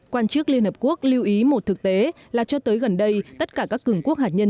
quan chức liên hợp quốc lưu ý một thực tế là cho tới gần đây tất cả các cường quốc hạt nhân